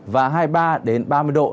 và hai mươi ba ba mươi độ